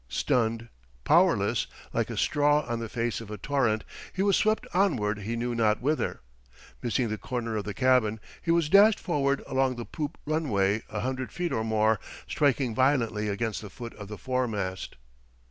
Stunned, powerless, like a straw on the face of a torrent, he was swept onward he knew not whither. Missing the corner of the cabin, he was dashed forward along the poop runway a hundred feet or more, striking violently against the foot of the foremast.